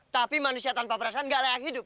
tapi manusia tanpa perasaan gak layak hidup